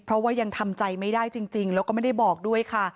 เพราะว่ายังทำใจไม่ได้จริงแล้วก็ไม่ได้บอกด้วยค่ะ